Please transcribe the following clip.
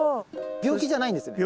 病気じゃないんですよね？